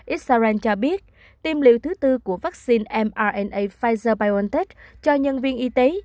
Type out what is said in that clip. israel cho biết tiêm liều thứ bốn của vắc xin mrna pfizer biontech cho nhân viên y tế